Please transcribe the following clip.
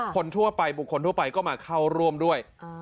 คนทั่วไปบุคคลทั่วไปก็มาเข้าร่วมด้วย